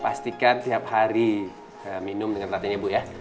pastikan setiap hari minum dengan hatinya bu ya